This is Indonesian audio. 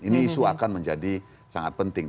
ini isu akan menjadi sangat penting